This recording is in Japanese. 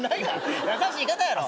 優しい方やろ。